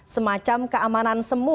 semacam keamanan semu